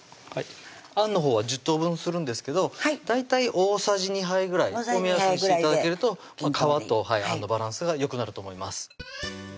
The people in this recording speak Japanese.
あんのほうは１０等分するんですが大体大さじ２杯ぐらいを目安にして頂けると皮とあんのバランスがよくなると思います